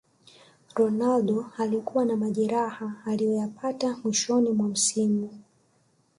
ronaldo alikuwa na majeraha aliyoyapata mwishoni mwa msimu